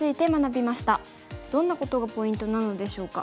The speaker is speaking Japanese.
どんなことがポイントなのでしょうか。